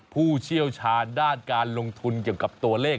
ผู้เชี่ยวชาญด้านการลงทุนเกี่ยวกับตัวเลข